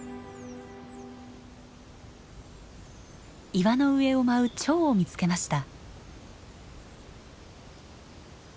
岩の上を舞うチョウを見つけました。